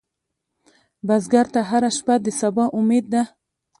بزګر ته هره شپه د سبا امید ده